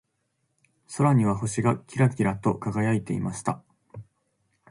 空には星がキラキラと輝いていました。